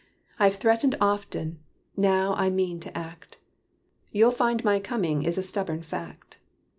I've threatened often now I mean to act. You'll find my coming is a stubborn fact.